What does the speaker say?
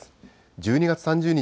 １２月３０日